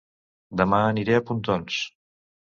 Dema aniré a Pontons